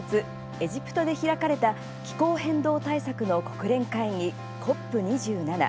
エジプトで開かれた気候変動対策の国連会議ＣＯＰ２７。